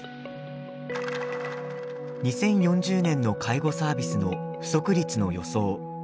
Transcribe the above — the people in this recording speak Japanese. ２０４０年の介護サービスの不足率の予想。